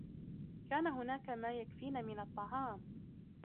كان هناك ما يكفينا من الطعام.